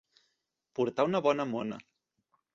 Portar una bona mona.